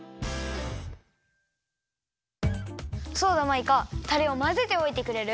そうだマイカタレをまぜておいてくれる？